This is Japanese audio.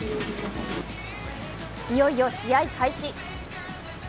いよいよ試合開始。